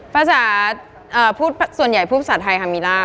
ภาษาส่วนใหญ่พูดภาษาไทยฮามีล่า